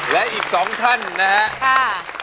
และอีก๒ท่านนะครับ